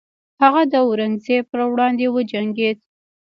هغه د اورنګزیب پر وړاندې وجنګید.